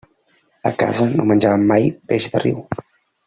A casa no menjàvem mai peix de riu.